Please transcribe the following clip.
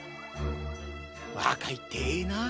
わかいってええなあ。